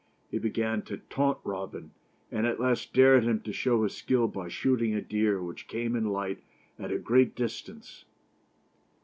He began to taunt Robin, and at last dared him to show his skill by shooting a deer which came in sight at a great distance.